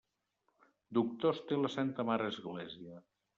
Doctors té la santa mare església.